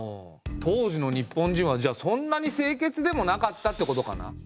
当時の日本人はじゃあそんなに清潔でもなかったってことかな？